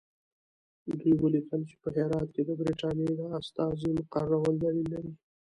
دوی ولیکل چې په هرات کې د برټانیې د استازي مقررول دلیل لري.